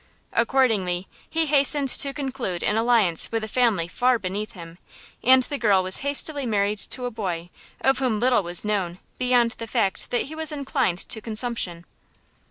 Accordingly he hastened to conclude an alliance with a family far beneath him, and the girl was hastily married to a boy of whom little was known beyond the fact that he was inclined to consumption.